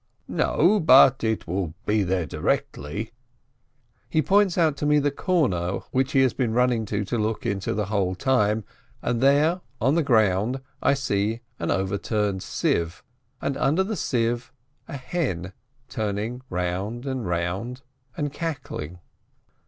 "No, but it will be there directly." Pie points out to me the corner which he has been running to look into the whole time, and there, on the ground, I see an overturned sieve, and under the sieve, a hen turning round and round and cackling.